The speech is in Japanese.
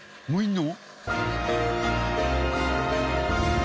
もういるの？